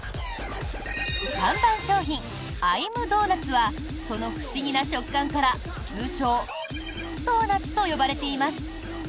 看板商品、アイムドーナツ？はその不思議な食感から通称・○○ドーナツと呼ばれています。